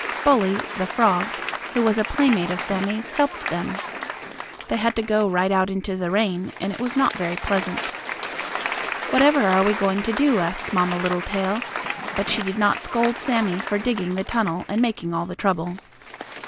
Bully, the frog, who was a playmate of Sammie's, helped them. They had to go right out into the rain, and it was not very pleasant. "Whatever are we going to do?" asked Mamma Littletail, but she did not scold Sammie for digging the tunnel and making all the trouble.